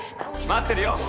待ってるよ。